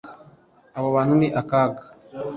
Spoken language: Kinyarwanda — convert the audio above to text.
abo bantu ni akaga